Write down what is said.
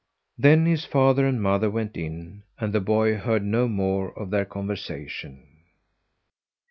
Then his father and mother went in, and the boy heard no more of their conversation.